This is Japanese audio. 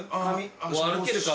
歩けるか？